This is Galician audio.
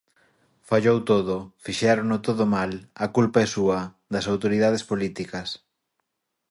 Fallou todo, fixérono todo mal, a culpa é súa, das autoridades políticas.